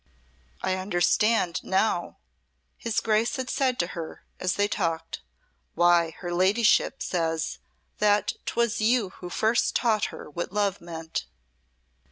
"I understand now," his Grace had said to her as they talked, "why her ladyship says that 'twas you who first taught her what love meant."